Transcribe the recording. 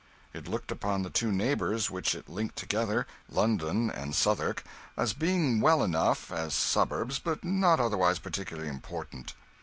It looked upon the two neighbours which it linked together London and Southwark as being well enough as suburbs, but not otherwise particularly important.